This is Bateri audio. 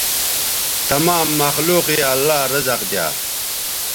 تمام مخلوق یے اللہ رزق دیا